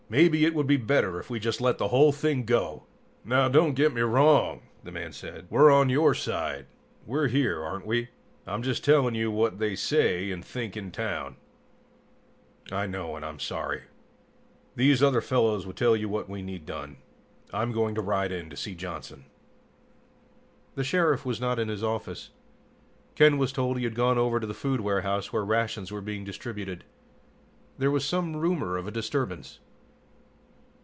"Maybe it would be better if we just let the whole thing go!" "Now don't get me wrong," the man said. "We're on your side. We're here, aren't we? I'm just telling you what they say and think in town." "I know and I'm sorry. These other fellows will tell you what we need done. I'm going to ride in to see Johnson." The Sheriff was not in his office. Ken was told he had gone over to the food warehouse where rations were being distributed. There was some rumor of a disturbance.